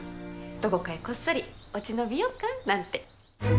どこかへこっそり落ち延びようかなんて。